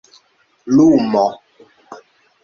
lumo